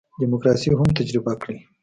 دیموکراسي هم تجربه کړي.